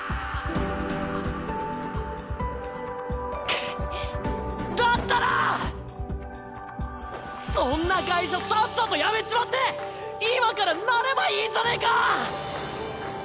ふっだったらそんな会社さっさと辞めちまって今からなればいいじゃねぇか！